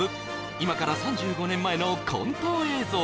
今から３５年前のコント映像